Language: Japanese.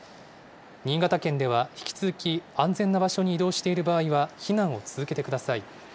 新潟県では引き続き、安全な場所に移動している場合は避難を続けてください。